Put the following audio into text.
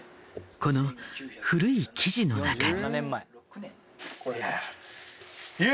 この古い記事の中に。